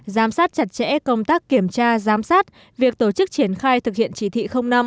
giám sát chặt chẽ công tác kiểm tra giám sát việc tổ chức triển khai thực hiện chỉ thị năm